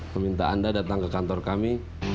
meminta anda datang ke kantor kami